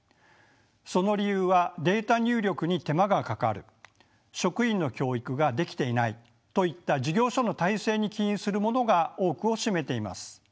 その理由は「データ入力に手間がかかる」「職員の教育ができていない」といった事業所の体制に起因するものが多くを占めています。